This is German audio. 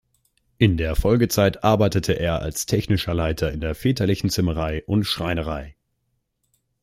In der Folgezeit arbeitete er als Technischer Leiter in der väterlichen Zimmerei und Schreinerei.